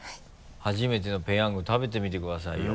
初めての「ペヤング」食べてみてくださいよ。